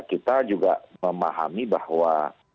kita juga memahami bahwa